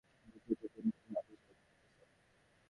পরবর্তী সূত্রে তিনি ইহা বুঝাইয়া দিতেছেন।